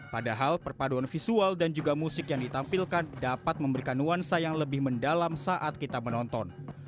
padahal perpaduan visual dan juga musik yang ditampilkan dapat memberikan nuansa yang lebih mendalam saat kita menonton